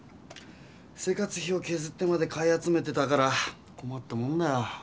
生活費をけずってまで買い集めてたからこまったもんだよ。